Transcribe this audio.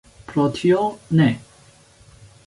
Pro tio ne.